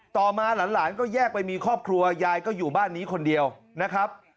ต่อมาหลานก็แยกไปมีครอบครัวยายก็อยู่บ้านนี้คนเดียวนะครับ